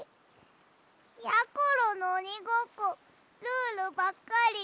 やころのおにごっこルールばっかり。